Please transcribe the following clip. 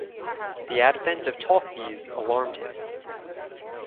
The advent of talkies alarmed him.